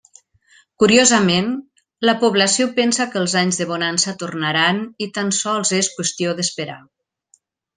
Curiosament, la població pensa que els anys de bonança tornaran i tan sols és qüestió d'esperar.